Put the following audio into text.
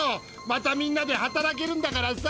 またみんなで働けるんだからさ。